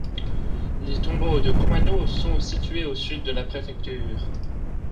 Les tombeaux de Kumano sont situés au sud de la préfecture.